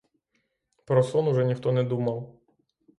Про сон уже ніхто не думав.